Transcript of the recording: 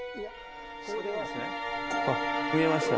あ見えました。